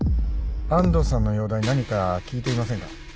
安藤さんの容体何か聞いていませんか？